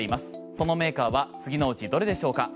そのメーカーは次のうちどれでしょうか？